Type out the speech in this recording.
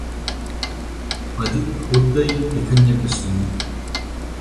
އަދި ހުއްދައީ އެކަންޏެއް ވެސް ނޫން